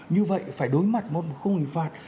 như vậy phải đối mặt một khung hình phạt